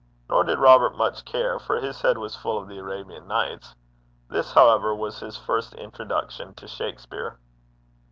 Nor did Robert much care, for his head was full of The Arabian Nights. This, however, was his first introduction to Shakspere.